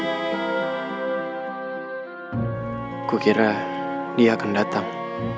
aku kira dia akan datang